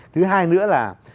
thứ hai nữa là